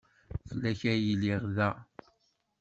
Fell-ak ay lliɣ da.